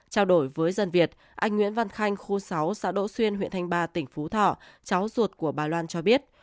trao đổi với dân việt anh nguyễn văn khanh khu sáu xã đỗ xuyên huyện thanh ba tỉnh phú thọ cháu ruột của bà loan cho biết